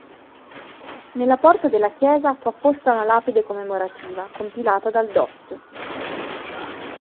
Nella porta della Chiesa fu apposta una lapide commemorativa compilata dal Dott.